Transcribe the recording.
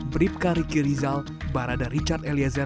bribka riki rizal barada richard eliezer dan kuat maruf